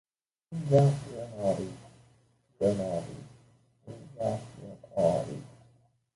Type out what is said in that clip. Lulli a filmezésen túl aktív színházi színész is volt.